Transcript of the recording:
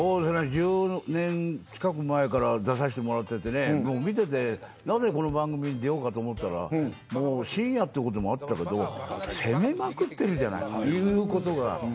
１０年近く前から出させてもらっていてなぜこの番組に出ようかと思ったら深夜ってこともあったけど攻めまくってるじゃない言うことが。